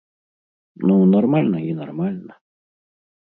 Ну, нармальна і нармальна.